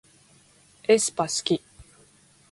aespa すき